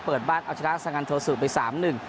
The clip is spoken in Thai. เปิดบ้านเอาชนะสงันโทสุไปสามหนึ่ง